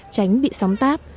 tránh bị sóng táp